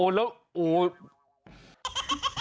โอ๊ะแล้วโอ๊ะ